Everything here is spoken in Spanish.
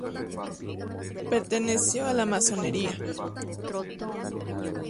Perteneció a la Masonería.